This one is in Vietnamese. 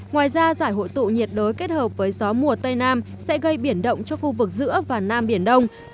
ngoài ra giải hội tụ nhiệt đới kết hợp với gió mùa tây nam sẽ gây biển động cho khu vực giữa và nam biển đông